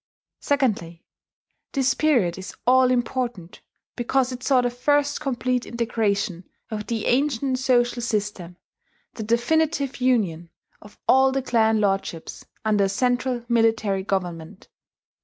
Secondly, this period is all important because it saw the first complete integration of the ancient social system, the definitive union of all the clan lordships under a central military government.